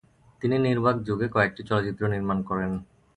তিনি নির্বাক যুগে কয়েকটি চলচ্চিত্র নির্মাণ করেন।